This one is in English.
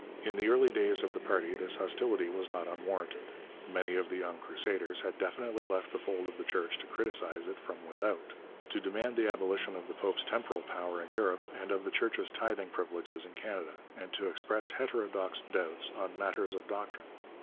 In the early days of the party this hostility was not unwarranted. Many of the young crusaders had definitely left the fold of the Church to criticize it from without, to demand the abolition of the Pope's temporal power in Europe and of the Church's tithing privileges in Canada, and to express heterodox doubts on matters of doctrine.